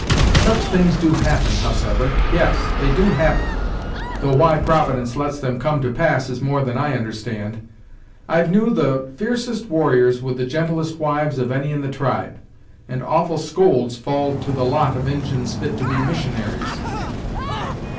"Such things do happen, howsever; yes, they do happen; though why providence lets them come to pass is more than I understand. I've knew the f'ercest warriors with the gentlest wives of any in the tribe, and awful scolds fall to the lot of Injins fit to be missionaries."